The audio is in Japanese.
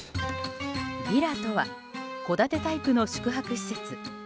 ヴィラとは戸建てタイプの宿泊施設。